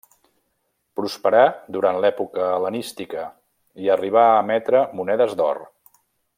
Prosperà durant l'època hel·lenística, i arribà a emetre monedes d'or.